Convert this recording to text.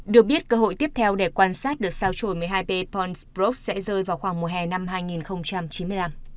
được biết cơ hội tiếp theo để quan sát được sao chùi một mươi hai pons broc sẽ rơi vào khoảng mùa hè năm hai nghìn chín mươi năm